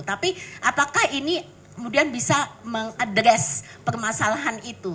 tapi apakah ini kemudian bisa mengadres permasalahan itu